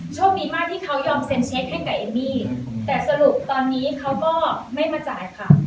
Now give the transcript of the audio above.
โชคดีมากที่เขายอมเซ็นเช็คให้กับเอมมี่แต่สรุปตอนนี้เขาก็ไม่มาจ่ายค่ะ